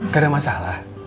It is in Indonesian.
gak ada masalah